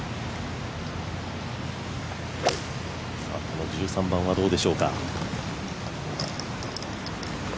この１３番はどうでしょうか。